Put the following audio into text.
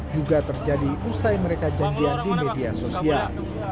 juga terjadi usai mereka janjian di media sosial